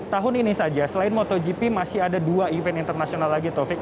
tahun ini saja selain motogp masih ada dua event internasional lagi taufik